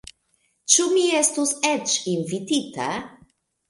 Ĉu mi estos eĉ invitita?